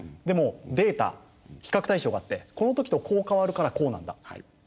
でもデータ比較対象があって「この時とこう変わるからこうなんだ」